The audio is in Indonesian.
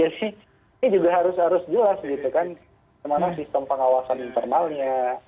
jadi ini juga harus harus jelas gitu kan kemana sistem pengawasan internalnya